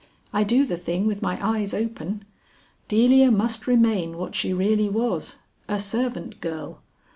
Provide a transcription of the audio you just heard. I do the thing with my eyes open. Delia must remain what she really was a servant girl.